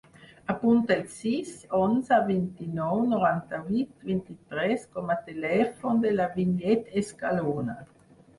Apunta el sis, onze, vint-i-nou, noranta-vuit, vint-i-tres com a telèfon de la Vinyet Escalona.